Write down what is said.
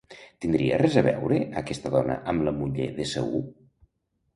Tindria res a veure aquesta dona amb la muller d'Esaú?